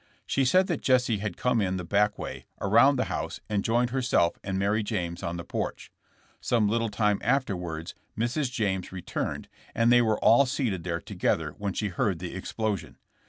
She said that Jesse had come in the back way, around the house, and joined herself and Mary James on the porch. Some little time afterwards Mrs. James returned, and they were all seated there together when she heard the explosion.